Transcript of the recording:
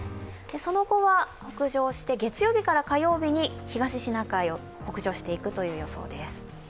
その後は北上して月曜日から火曜日に東シナ海を北上していくという予想です。